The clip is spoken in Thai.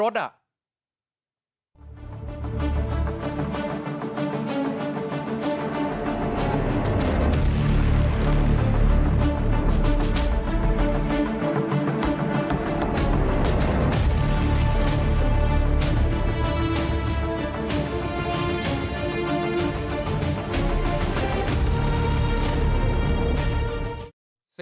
โครงค้าสวัสดิ์